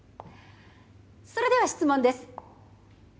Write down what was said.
それでは質問です。